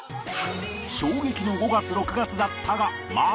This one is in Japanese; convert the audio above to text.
衝撃の５月６月だったがまずは